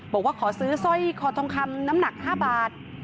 บอกว่าขอซื้อสร้อยคอทองคำน้ำหนัก๕บาท